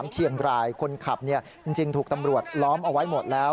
เชียงรายคนขับจริงถูกตำรวจล้อมเอาไว้หมดแล้ว